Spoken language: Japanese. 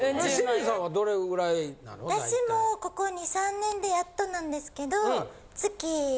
私もここ２３年でやっとなんですけど。